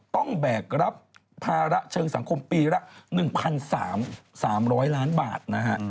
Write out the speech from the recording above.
แบกรับภาระเชิงสังคมปีละ๑๓๐๐ล้านบาทนะฮะ